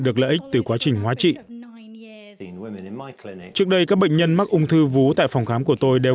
được lợi ích từ quá trình hóa trị trước đây các bệnh nhân mắc ung thư vú tại phòng khám của tôi đều